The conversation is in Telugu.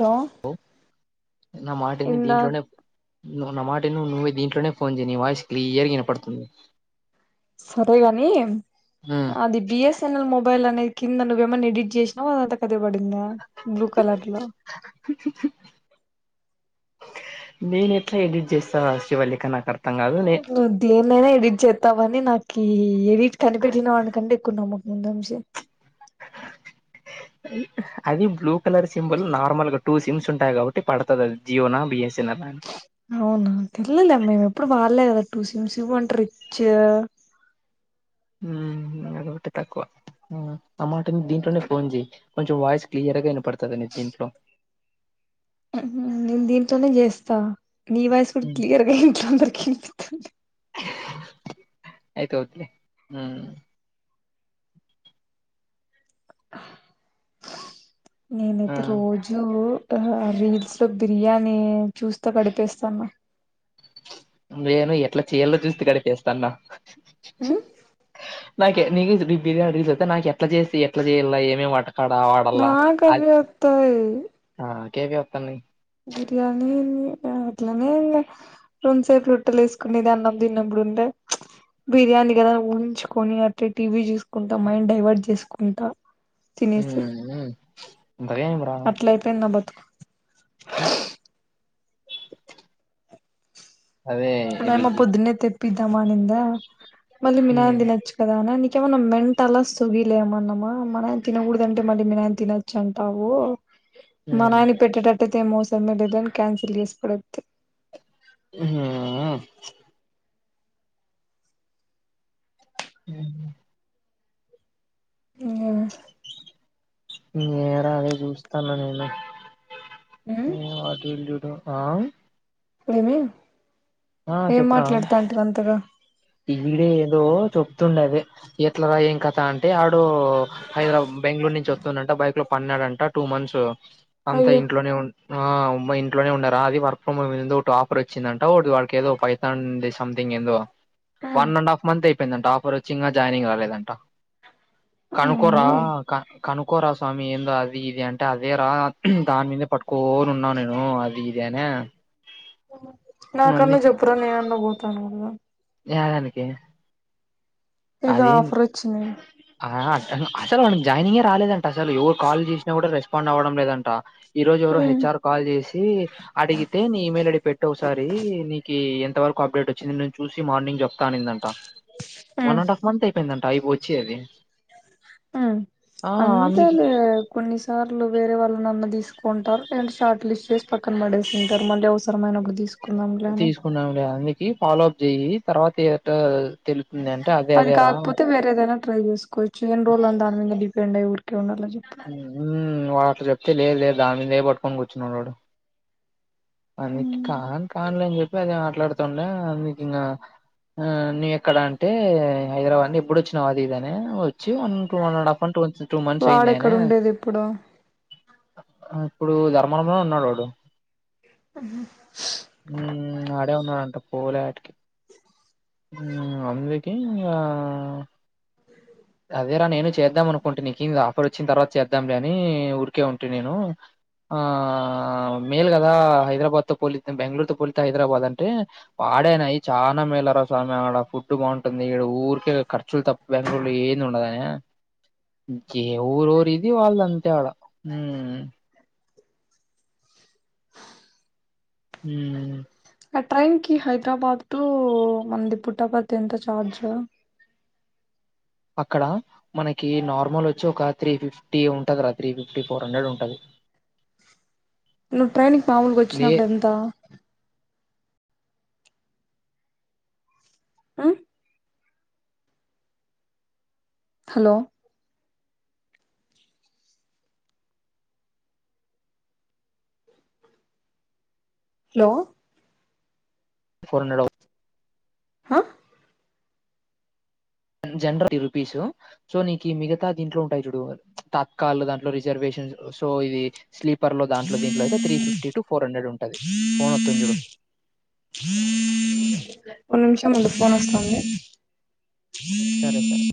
హలో ఒ నా మాటని ఇందా దీంట్లోనే నువ్వు నా మాట విను నువ్వు దీంట్లోనే ఫోన్ చేయి నీ వాయిస్ క్లియర్ వినపడుతుంది సరేగాని అది బిఎస్ న్ల్ మొబైల్ అనేది కింద నువేమ్మన్నా ఎడిట్ చేసినా అంత కదే పడిందా బ్లూ కలర్ లో నేను ఎట్లా ఎడిట్ చేస్తావా శివలిఖ నాకర్ నువ్వు దేన్నైనా ఎడిట్ చేస్తావని నాకు ఇ ఎడిట్ కనిపెట్టిన వానికంటే ఎక్కువ నమ్మ ముందుమ్ఎస్ అది blue colour symbol normal two sims ఉంటాయి కాబట్టి పడుతది జియోనా బిఎస్ఎన్ అలాని అవునా తెల్లలే మేము ఎప్పుడు వాళ్లే గదా టూ సిమ్ సివ్నువ్వు అంటే రిచ్ మ్ అదొక్కటే తక్కువ నా మాటని దీంట్లోనే ఫోన్ చేయి కొంచెం వాయిస్ క్లియర్గా వినపడుతుంది దీంట్లో నేను దీంట్లోనే చేస్తా నీ వాయిస్ గూడా క్లియర్ గా ఇంట్లో అందరికి వినిపిస్తా అయితే ఓద్దులే మ్ నేనైతే రోజూ రీల్స్ లో బిర్యానీ చూస్తా గడిపేస్తాన నేను ఎట్లా చేయలో చూస్త గడిపేస్తాన్న ఉమ్ నాక నీ బిర్యానీ రీస్ అయితే నాకు ఎట్లా చేసి ఎట్లా చేయాల ఏమే వాట కడ వాడలా నాకు అవే అది వత్తాయి ఆ కేపి ఒత్తనై అట్లని అట్లనే ఇగ రెంసేపు రోట్టేలేసుకునేది అన్నం తిన్నప్పుడుండే బిర్యానీ కదా ఊంచుకోని అట్టే టీవీ చూస్ కుంటా మైండ్ డైవర్ట్ చేసుకుంటా తినేసి గయేమ్ అట్ల అయిపోయింది నా బతుకు చ్చ అదే మా ఇది యమ్మ పొద్దున్నే తెప్పద్దాం ఆనింద మళ్ళీ మి నాయన హ్మ్ తినోచ్ కదా అని నీకేమైన్నా మెంట్ అలా సుగిలేమన్నామా మనం తినకూడదంటే మళ్ళీ మీ నాయన తినోచ్చు అంటావు మ హ్మ్ నాయనకి పెట్టేట్టుయితే ఏ మోసమే లేదని క్యాన్సిల్ చేసి పడేత్తి మ్ హుమ్ హ్మ్ మ్ నేరగే చూస్తున్న నీను [unintelligible] ఆ ఏమీ ఏం మాట్లాడుతంటివి అంతగా ఈవిడే ఏదో చెప్తుండు అదే ఎట్ల నో ఏం కథ అం టే ఆడు హైదరాబాద్ బెంగళూరు నుంచి వస్తుందంట బైక్ లో పన్నాడంట టూ మంత్స్ అంతా అయ్యో ఇంట్లోనే ఉన్ ఆ ఉమ్మ ఇంట్లోనే ఉన్నరా అది వర్క్ ఫ్రమ్ ఒకటి ఆఫర్ వచ్చిందంట వాళ్ళకి ఏదో పై తాంది సంథింగ్ ఎందో వన్ అండ్ హాఫ్ంత్ అయిందంట ఆఫర్ వచ్చి ఇంగ జాయినింగ్ రాలేదంట కనుకోరా క కనుకోరా స్వామి ఏందో అది ఇది అంటే అదే రా దాని మీదే పట్టుకోని ఉన్నాను నేను అది ఇదనే నా కన్న జెప్ న నువ్వు తను కదా యదానికి ఏదో ఆఫర్ వచ్చింది ఆ అట్టన్ అసలు వానికి జాయినింగే రాలేదంట అసలు ఎవరు కాల్ చేసినా కూడా రెస్పాండ్ అవ్వడం లేదంట ఈ రోజు ఎవరో హెచ్ఆర్ కాల్ చేసి అడిగితే నీ ఈ మయిల్ ఐడి పెట్టోకసారి నీకు ఎంతవరకు అప్డేట్ వచ్చింది నేను చూసి మార్నింగ్ చెప్త అనిందంట వన్ అండ్ హాఫ్ మంత్ అయిపోయిందంట అయి వచ్చి అది ఆ ఆ అంత అందుకి అదే కొన్ని సార్లు వేరే వాళ్ళనన్న తీసుకుంటారు అండ్ షార్ట్ లిస్ట్ చేసి పక్కన పడేసుంటారు మళ్ళి అవస్ సరం అయినప్పుడు తీసుకుందాంలే అని న్నాంలే అందుకి ఫాలో అప్ చెయ్యి తర్వాత ఏటు అది కాకపోతే వే దైనా ట్రై చేకోచ్చు ఏన్ని రోజులు అనీ దానీ మీద డిపెడ్య్య ఊరికే ఉండాల చెప్ మ్ వాడు అట్ల చెప్తే లేదు లేదు దాని మీదనే పట్టుకొని కూర్చున్నాడు వాడు అందు కాన్ కాన్లే అని చెప్పి అది మాట్లాడుతుండే అందుకింగ ఆ నువ్ ఎక్కడ అంటే హైదరాబాద్ నుండి ఎప్పుడోచ్చినావ్ అది ఇదనే వ చి one two and half months to months అయింది వాడెక్కడ అనే ఉండేది ఇప్పుడు ఇప్పుడు ధర్మనంలోనే ఉన్నాడు వాడు. ఉమ్ ఆడే ఉన్నాడంట పోలే ఆడికి. ఉమ్ అందరికి ఇగ. అదేరా నేను చేద్దాం అనుకుంటి నీకు అక్కడ వచ్చిన తర్వాత చేద్దాంలేని ఊరికే ఉంటిని నేను. ఆహ్ మేల్ కదా హైదరాబాద్ తో పోలిస్తే బెంగళూరు తో పోలిస్తే హైదరాబాద్ అంటే. ఆడే నైయి చానా మేలు రా స్వామి ఆడ ఫుడ్ బాగుంటుంది ఇడ ఊరికే ఖర్చులు తప్పు బెంగళూరు లో ఏంది ఉండదాయే. ఎవరెవరు ఇది వాలు అంతే ఇగా ఉమ్. ఉమ్. ఆ ట్రైన్కి హైదరాబాద్ టు మనది పుట్టాపర్తిఎంత చార్జ్. అక్కడ. మనకి నార్మల్ వచ్చి ఒక త్రీ ఫిఫ్టీ ఉంటది రా త్రీ ఫిఫ్టీ ఫోర్ హండ్రెడ్ ఉంటది. నువ్వు ట్రైన్కిమాముూలుగ లే వచ్చినప్పుడు ఎంతా. ఉమ్. హలో. హలో. ఫో హండ్రెడ్ వ్. ఆహ్. General [unintelligible] rupees. సో నీకు మిగతా దీంట్లో ఉంటాయి ప్చ్ చూడు తాత్కాల్ దాంట్లో రిజర్వేషన్స్ సో ఇది. స్లీపర్ దాంట్లో దీంట్లో అయితే three fifty to four hundred ఉంటది ఫోన్ వతుంది చూడు. ఒక నిమిషం ఉండు ఫోన్ వస్తుంది. సరే సరే.